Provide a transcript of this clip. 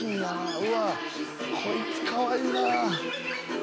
うわ！こいつかわいいな。